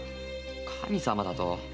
神様だと？